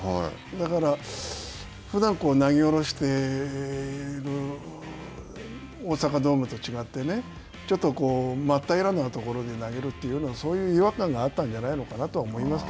だから、ふだん投げおろしてる大阪ドームと違って、ちょっとこう真っ平らなところで投げるというのはそういう違和感があったんじ